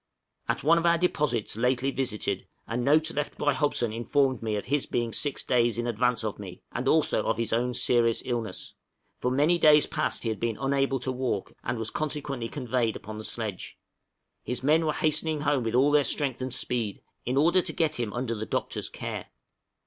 {ILLNESS OF HOBSON.} At one of our depôts lately visited, a note left by Hobson informed me of his being six days in advance of me, and also of his own serious illness; for many days past he had been unable to walk, and was consequently conveyed upon the sledge; his men were hastening home with all their strength and speed, in order to get him under the Doctor's care.